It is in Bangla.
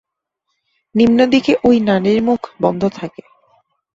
নিম্নদিকে ঐ নালীর মুখ বন্ধ থাকে।